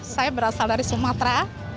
saya berasal dari sumatera